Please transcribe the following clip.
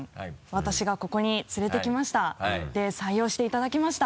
私がここに連れてきましたで採用していただきました。